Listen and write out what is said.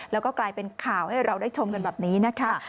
แล้วก็กลายเป็นข่าวให้เราได้ชมกันแบบนี้นะคะ